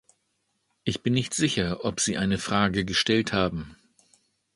Ich bin nicht sicher, ob Sie eine Frage gestellt haben.